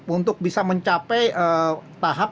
untuk bisa mencapai tahap